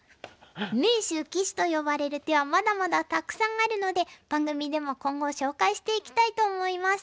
名手・鬼手と呼ばれる手はまだまだたくさんあるので番組でも今後紹介していきたいと思います。